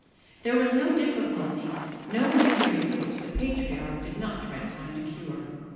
There was no difficulty, no misery for which the patriarch did not try to find a cure.